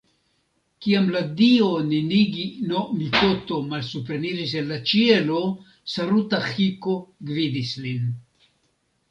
Kiam la dio Ninigi-no-mikoto malsupreniris el la ĉielo, Saruta-hiko gvidis lin.